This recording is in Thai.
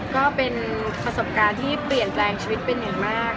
ก็เป็นประสบการณ์ที่เปลี่ยนแปลงชีวิตเป็นอย่างมาก